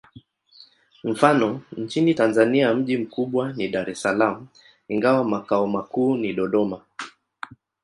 Mfano: nchini Tanzania mji mkubwa ni Dar es Salaam, ingawa makao makuu ni Dodoma.